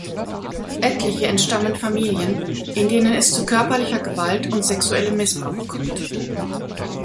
Etliche entstammen Familien, in denen es zu körperlicher Gewalt und sexuellem Missbrauch kommt.